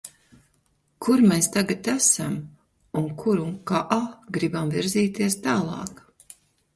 Kur mēs tagad esam un kur un kā gribam virzīties tālāk.